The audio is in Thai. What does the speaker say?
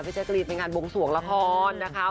วิชากรีดเป็นงานบงส่วงละครนะคะ